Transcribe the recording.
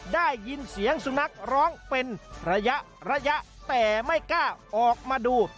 ได้ยินเสียงสุนัขร้องเป็นระยะระยะแต่ไม่กล้าออกมาดู